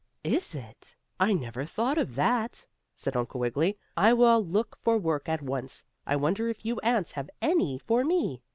"Is it? I never thought of that," said Uncle Wiggily. "I will look for work at once. I wonder if you ants have any for me."